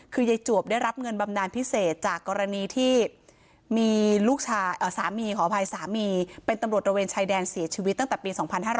คือยายจวบได้รับเงินบำนานพิเศษจากกรณีที่มีลูกสามีขออภัยสามีเป็นตำรวจระเวนชายแดนเสียชีวิตตั้งแต่ปี๒๕๕๙